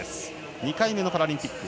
２回目のパラリンピック。